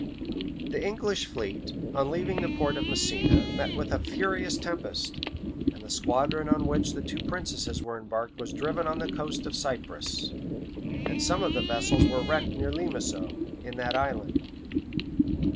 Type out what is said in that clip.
] The English fleet, on leaving the port of Messina, met with a furious tempest; and the squadron on which the two princesses were embarked was driven on the coast of Cyprus, and some of the vessels were wrecked near Limisso, in that island.